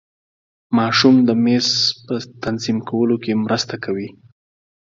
ماشوم د میز په تنظیم کولو کې مرسته کوي.